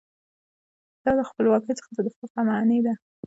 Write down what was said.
دا له خپلواکۍ څخه د دفاع په معنی دی.